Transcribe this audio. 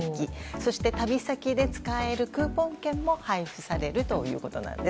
そして旅先で使えるクーポン券も配布されるということなんです。